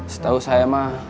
setau saya mah